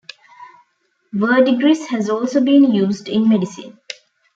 Verdigris has also been used in medicine.